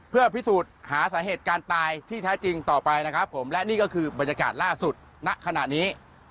เพื่อพิสูจน์หาสาเหตุการณ์ตายที่แท้จริงต่อไปนะครับผมและนี่ก็คือบรรยากาศล่าสุดณขณะนี้